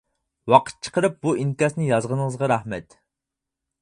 ۋاقىت چىقىرىپ بۇ ئىنكاسنى يازغىنىڭىزغا رەھمەت.